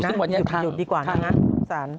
อยู่ดีกว่านั้นนะสาร